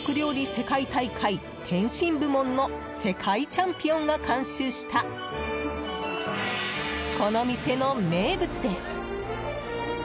世界大会点心部門の世界チャンピオンが監修したこの店の名物です。